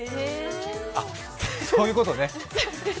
あ、そういうことね。